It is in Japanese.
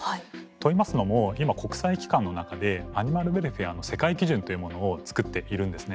と言いますのも今国際機関の中でアニマルウェルフェアの世界基準というものを作っているんですね。